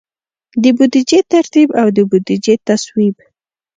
د بودیجې ترتیب او د بودیجې تصویب.